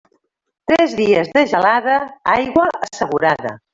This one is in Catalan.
Tres dies de gelada, aigua assegurada.